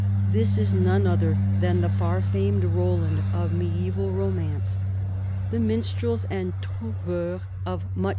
This is none other than the far famed Roland of mediaeval romance. The minstrels and trouveurs of mucli RONCESVALLES.